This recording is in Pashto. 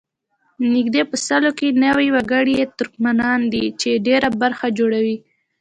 نږدې په سلو کې نوي وګړي یې ترکمنان دي چې ډېره برخه جوړوي.